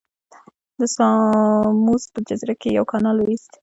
د ساموس په جزیره کې یې یو کانال وویست.